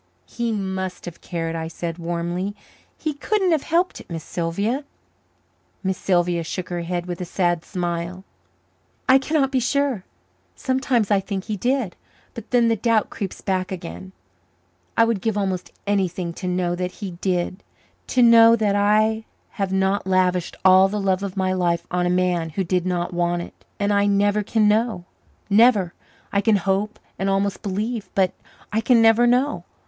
"He must have cared," I said warmly. "He couldn't have helped it, Miss Sylvia." Miss Sylvia shook her head with a sad smile. "I cannot be sure. Sometimes I think he did. But then the doubt creeps back again. I would give almost anything to know that he did to know that I have not lavished all the love of my life on a man who did not want it. And I never can know, never I can hope and almost believe, but I can never know.